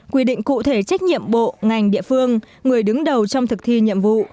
quy định cụ thể trách nhiệm bộ ngành địa phương người đứng đầu trong thực thi nhiệm vụ